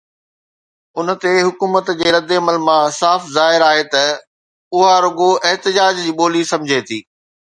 ان تي حڪومت جي ردعمل مان صاف ظاهر آهي ته اها رڳو احتجاج جي ٻولي سمجهي ٿي.